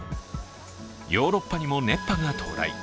ヨーロッパにも熱波が到来。